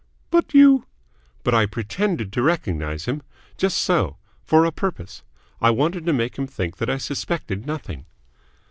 "But you " "But I pretended to recognise him? Just so. For a purpose. I wanted to make him think that I suspected nothing."